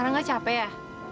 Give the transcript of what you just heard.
rangga capek ya